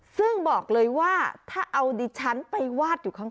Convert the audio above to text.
ซึ่งบอกเลยว่าถ้าเอาดิฉันไปวาดอยู่ข้าง